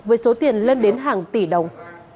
với số tiền lên đến hàng tỷ đồng